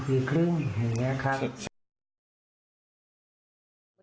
ก็คือ๑นะครับ